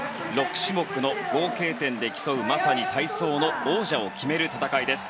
６種目の合計点で競うまさに体操の王者を決める戦いです。